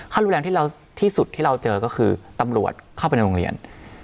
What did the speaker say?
ขั้นรุนแรงที่สุดที่เราเจอก็คือตำรวจเข้าไปโรงเรียน